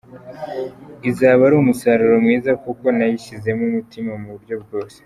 Izaba ari umusaruro mwiza kuko nayishyizemo umutima mu buryo bwose.